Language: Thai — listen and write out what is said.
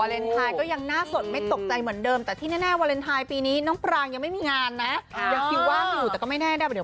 ยิ่งรักษาหน้าสดของหนูให้ดียิ่งรักษาหน้าสดของหนูให้ดี